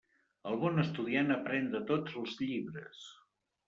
El bon estudiant aprén de tots els llibres.